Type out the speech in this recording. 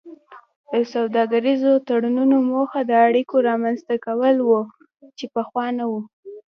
د سوداګریزو تړونونو موخه د اړیکو رامینځته کول وو چې پخوا نه وو